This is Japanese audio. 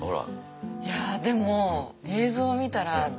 いやでも映像見たら。